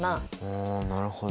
あなるほど。